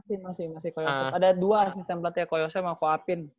iya masih ko yosef ada dua asisten pelatihnya ko yosef sama ko apin